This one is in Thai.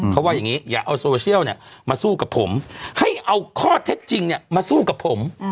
เขาว่าอย่างนี้อย่าเอาโซเชียลเนี่ยมาสู้กับผมให้เอาข้อเท็จจริงมาสู้กับผม